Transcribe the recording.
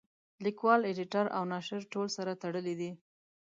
لیکوال اېډیټر او ناشر ټول سره تړلي دي.